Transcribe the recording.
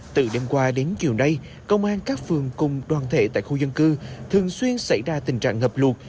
từ đêm qua đến chiều nay công an các phường cùng đoàn thể tại khu dân cư thường xuyên xảy ra tình trạng ngập lụt